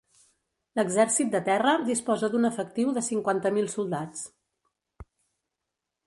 L'exèrcit de terra disposa d'un efectiu de cinquanta mil soldats.